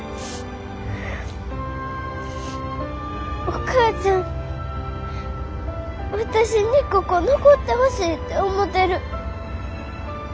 お母ちゃん私にここ残ってほしいて思てる。